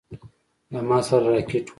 له ما سره راکټ و.